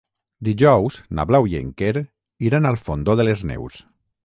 Dijous na Blau i en Quer iran al Fondó de les Neus.